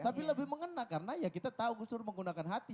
tapi lebih mengena karena ya kita tahu gus dur menggunakan hati